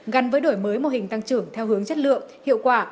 gắn với đổi mới mô hình tăng trưởng theo hướng chất lượng hiệu quả